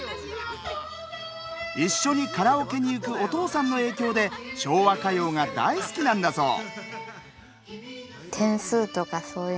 一緒にカラオケに行くお父さんの影響で昭和歌謡が大好きなんだそう。